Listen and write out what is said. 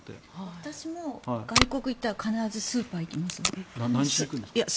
私も外国に行ったら必ずスーパーに行きます。